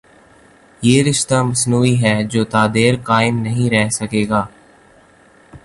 یہ رشتہ مصنوعی ہے جو تا دیر قائم نہیں رہ سکے گا۔